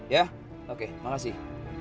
ya oke makasih